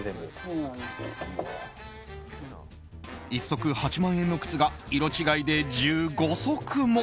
１足８万円の靴が色違いで１５足も。